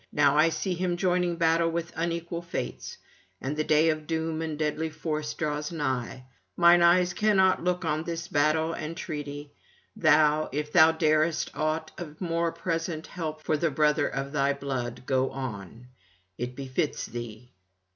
Now I see him joining battle with unequal fates, and the day of doom and deadly force draws nigh. Mine eyes cannot look on this battle and treaty: thou, if thou darest aught of more present help for the brother of thy blood, go on; it befits thee.